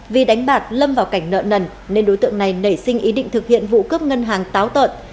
vì đánh bạc lâm vào cảnh nợ nần nên đối tượng này nảy sinh ý định thực hiện vụ cướp ngân hàng táo tợn